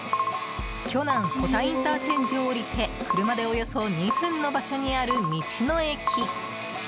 鋸南保田ＩＣを降りて車でおよそ２分の場所にある道の駅。